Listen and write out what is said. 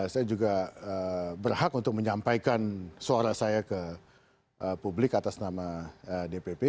saya juga berhak untuk menyampaikan suara saya ke publik atas nama dpp